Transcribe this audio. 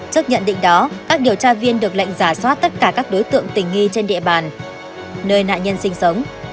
trước nhận định đó các điều tra viên được lệnh giả soát tất cả các đối tượng tình nghi trên địa bàn nơi nạn nhân sinh sống